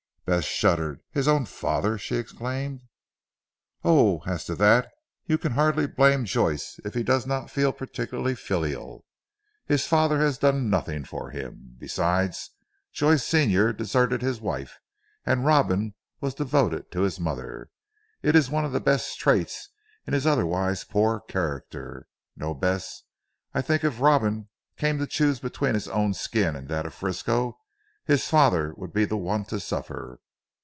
Bess shuddered. "His own father!" she exclaimed. "Oh! as to that, you can hardly blame Joyce if he does not feel particularly filial. His father has done nothing for him. Besides Joyce senior deserted his wife, and Robin was devoted to his mother. It is one of the best traits in his otherwise poor character. No, Bess, I think if Robin came to chose between his own skin and that of Frisco, his father would be the one to suffer.